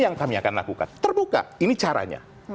yang kami akan lakukan terbuka ini caranya